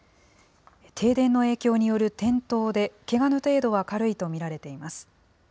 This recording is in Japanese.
停電の影響による転倒で、けがの程度は軽いと見られています。